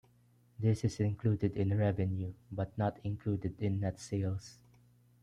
This is included in revenue but not included in net sales.